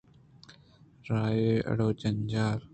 راہ ءِ اڑءُجنجال